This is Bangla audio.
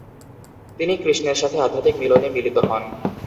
তিনি কৃষ্ণের সাথে আধ্যাত্মিক মিলনে মিলিত হন।